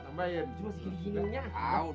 maksih juga tambahin